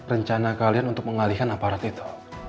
rencana kalian untuk mengalihkan aparat itu